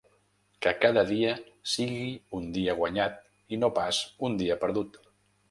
Que cada dia sigui un dia guanyat i no pas un dia perdut.